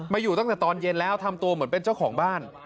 อยู่ตั้งแต่ตอนเย็นแล้วทำตัวเหมือนเป็นเจ้าของบ้าน